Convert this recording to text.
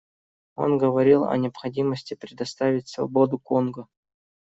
Он говорил о необходимости предоставить свободу Конго.